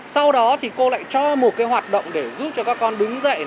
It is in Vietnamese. sau đó thì cô lại cho một cái hoạt động để giúp cho các con đứng dậy